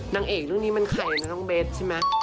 นางเอกเรื่องนี้มันใครนะน้องเบสใช่ไหม